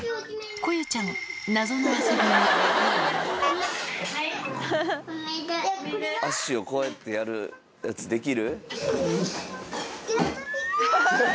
こゆちゃん足をこうやってやるやつできる？